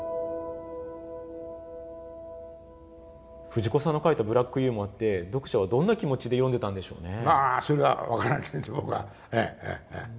藤子さんの描いたブラックユーモアって読者はどんな気持ちで読んでたんでしょうね？